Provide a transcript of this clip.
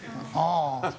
ああ。